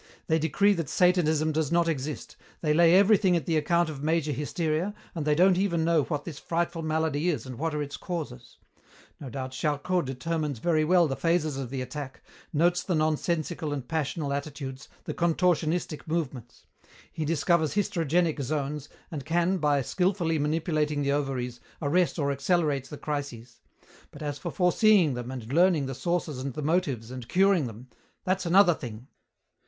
They decree that Satanism does not exist. They lay everything at the account of major hysteria, and they don't even know what this frightful malady is and what are its causes. No doubt Charcot determines very well the phases of the attack, notes the nonsensical and passional attitudes, the contortionistic movements; he discovers hysterogenic zones and can, by skilfully manipulating the ovaries, arrest or accelerate the crises, but as for foreseeing them and learning the sources and the motives and curing them, that's another thing.